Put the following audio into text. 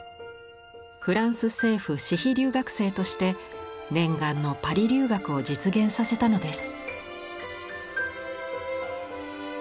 フランス政府私費留学生として念願のパリ留学を実現させたのです。